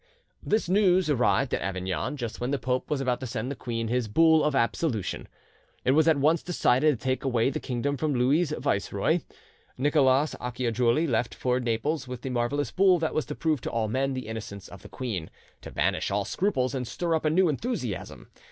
This news arrived at Avignon just when the pope was about to send the queen his bull of absolution. It was at once decided to take away the kingdom from Louis's viceroy. Nicholas Acciajuoli left for Naples with the marvellous bull that was to prove to all men the innocence of the queen, to banish all scruples and stir up a new enthusiasm.